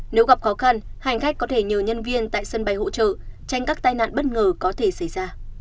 nếu gặp khó khăn hành khách có thể nhờ nhân viên tại sân bay hỗ trợ tránh các tai nạn bất ngờ có thể xảy ra